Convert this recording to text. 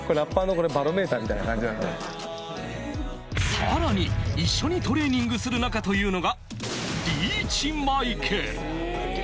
さらに、一緒にトレーニングする仲というのがリーチ・マイケル。